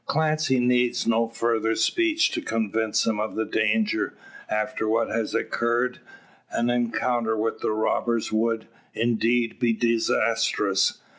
Clancy needs no further speech to convince him of the danger. After what has occurred, an encounter with the robbers would, indeed, be disastrous.